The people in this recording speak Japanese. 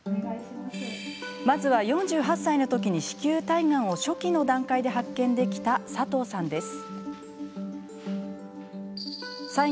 まずは、４８歳のときに子宮体がんを初期の段階で発見できた、佐藤さんです。